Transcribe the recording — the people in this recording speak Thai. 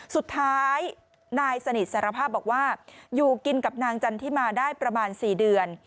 สุดท้ายนายสนิทสารภาพบอกว่าอยู่กินกับนางจันทิมาได้ประมาณ๔เดือน